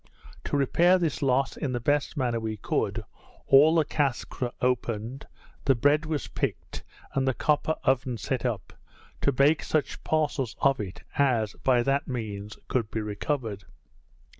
To repair this loss in the best manner we could, all the casks were opened; the bread was picked, and the copper oven set up, to bake such parcels of it, as, by that means, could be recovered.